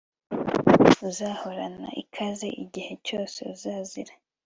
Uzahorana ikaze igihe cyose uzazira